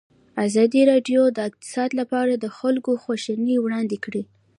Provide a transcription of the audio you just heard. ازادي راډیو د اقتصاد لپاره د خلکو غوښتنې وړاندې کړي.